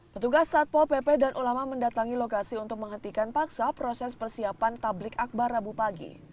petugas satpol pp dan ulama mendatangi lokasi untuk menghentikan paksa proses persiapan tablik akbar rabu pagi